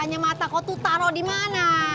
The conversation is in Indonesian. matanya mata kau tuh taro di mana